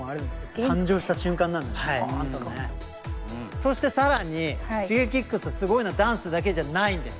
そして更にＳｈｉｇｅｋｉｘすごいのはダンスだけじゃないんです。